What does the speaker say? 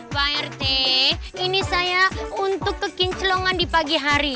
pak rt ini saya untuk kekinclongan di pagi hari